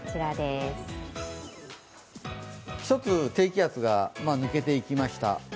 １つ低気圧が抜けていきました、